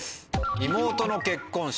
「妹の結婚式」。